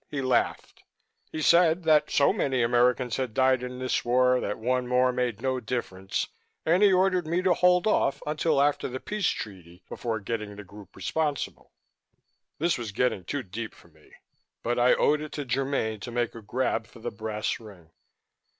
He laughed. He said that so many Americans had died in this war that one more made no difference and he ordered me to hold off until after the peace treaty before getting the group responsible." This was getting too deep for me, but I owed it to Germaine to make a grab for the brass ring.